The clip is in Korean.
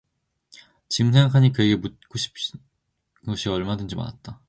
지금 생각 하니 그에게 묻고 싶은 것이 얼마든지 많았다.